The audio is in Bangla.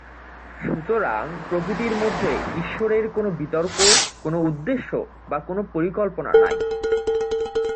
সুতরাং প্রকৃতির মধ্যে ঈশ্বরের কোন বিতর্ক, কোন উদ্দেশ্য বা কোন পরিকল্পনা নাই।